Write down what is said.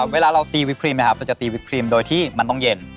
เวลาเราตีวิปครีมนะครับเราจะตีวิปครีมโดยที่มันต้องเย็น